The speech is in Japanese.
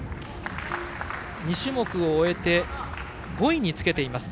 ２種目を終えて５位につけています